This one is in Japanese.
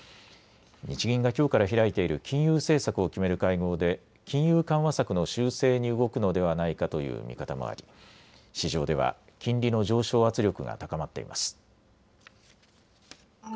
日銀がきょうから開いている金融政策を決める会合で金融緩和策の修正に動くのではないかという見方もあり市場では金利の上昇圧力が高まっています。